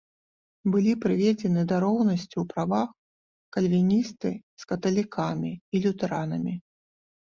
Былі прыведзены да роўнасці ў правах кальвіністы з каталікамі і лютэранамі.